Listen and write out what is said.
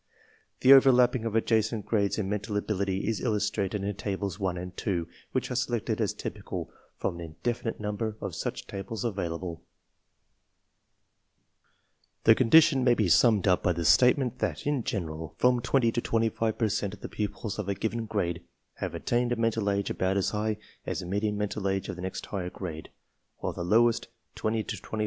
/~The overlapping of adjacent grades in mental ability is illustrated in Tables 1 and 2, which are selected as typical from an indefinite number of such tables avail able. The condition may be summed up by the statement that, in general, from 20 to 25 per cent of the pupils of a given grade have attained a mental age about as high as the median mental age of the next higher grade, while the lowest 20 to 25 per cent in the same grade are about THE PROBLEM 9 Table 1.